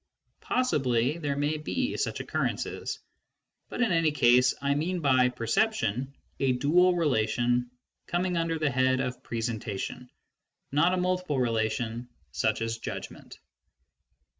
Possibly there may be such occurrences, but in any case I mean by " perception " a dual relation, coming under the head of presen tation, not a multiple relation such as judgment.